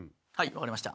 分かりました。